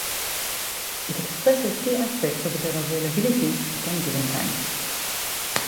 It expresses key aspects of their availability at any given time.